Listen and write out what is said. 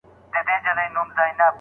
دا اوبه اورونو کې راونغاړه